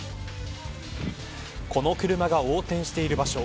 この車が横転している場所